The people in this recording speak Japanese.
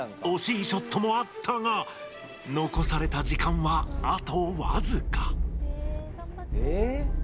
惜しいショットもあったが残された時間は、あと僅か。